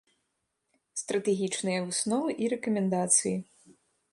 Стратэгічныя высновы і рэкамендацыі.